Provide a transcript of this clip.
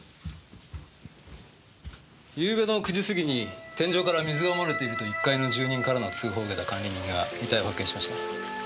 昨夜の９時過ぎに天井から水が漏れていると１階の住人からの通報を受けた管理人が遺体を発見しました。